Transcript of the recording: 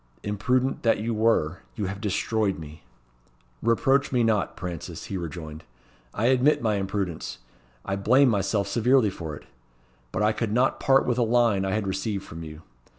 Imprudent that you were, you have destroyed me!" "Reproach me not, Prances," he rejoined. "I admit my imprudence, and blame myself severely for it. But I could not part with a line I had received from you.